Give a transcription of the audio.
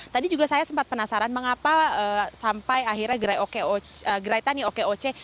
tadi juga saya sempat penasaran mengapa sampai akhirnya gerai tani okoc